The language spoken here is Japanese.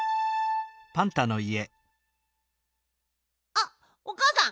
あっおかあさん